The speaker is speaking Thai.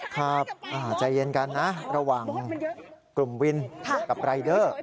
ครับใจเย็นกันนะระหว่างกลุ่มวินกับรายเดอร์